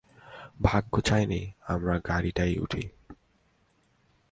ভাগ্য চায়নি আমরা গাড়িটায় উঠি।